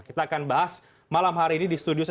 kita akan bahas malam hari ini di studio